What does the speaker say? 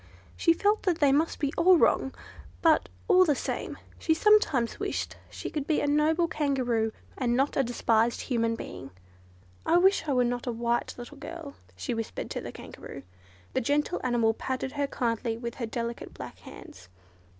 She felt that they must all be wrong; but, all the same, she sometimes wished she could be a noble Kangaroo, and not a despised human being. "I wish I were not a white little girl," she whispered to the Kangaroo. The gentle animal patted her kindly with her delicate black hands.